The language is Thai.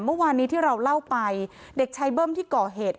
เมื่อวานนี้ที่เราเล่าไปเด็กชายเบิ้มที่ก่อเหตุ